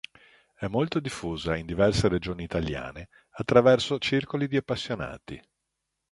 È molto diffusa in diverse regioni italiane attraverso circoli di appassionati.